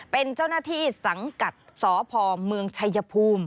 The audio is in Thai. เป็นเจ้าหน้าที่สังกัดสพเมืองชัยภูมิ